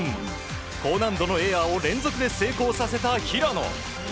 高難度のエアを連続で成功させた平野。